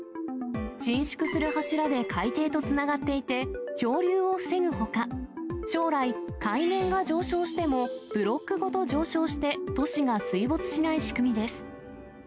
伸縮する柱で海底とつながっていて、漂流を防ぐほか、将来、海面が上昇しても、ブロックごと上昇して、都市が水没しない仕組みです。